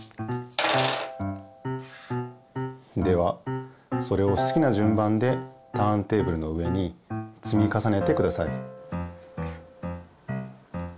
ではそれをすきなじゅん番でターンテーブルの上につみかさねてください。